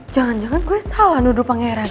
jangan jangan gue salah nuduh pangeran